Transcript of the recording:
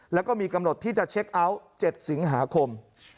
แล้วก็มีกำหนดที่จะเช็คเอาท์๗สิงหาคม